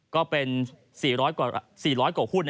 ก็เป็น๔๐๐กว่าหุ้น